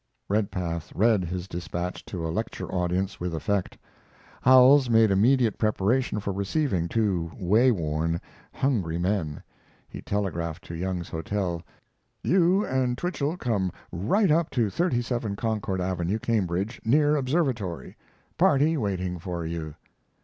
Redpath read his despatch to a lecture audience, with effect. Howells made immediate preparation for receiving two way worn, hungry men. He telegraphed to Young's Hotel: "You and Twichell come right up to 37 Concord Avenue, Cambridge, near observatory. Party waiting for you."